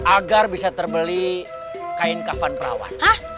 agar bisa terbeli kain kafan perawat